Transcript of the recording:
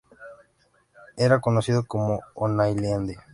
Era conocido como Onaindia.